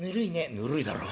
「ぬるいだろ？